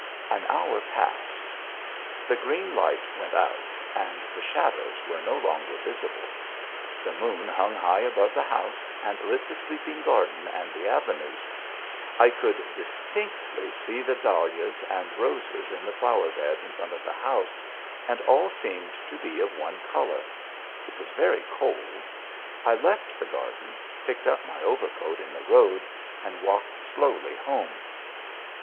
An hour passed. The green light went out, and the shadows were no longer visible. The moon hung high above the house and lit the sleeping garden and the avenues: I could distinctly see the dahlias and roses in the flower bed in front of the house, and all seemed to be of one colour. It was very cold. I left the garden, picked up my overcoat in the road, and walked slowly home.